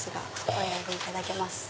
お選びいただけます。